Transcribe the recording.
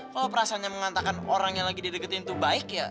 kalo perasaannya mengatakan orang yang lagi dideketin tuh baik ya